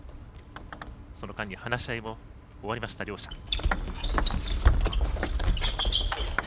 その間に話し合いも終わった両者。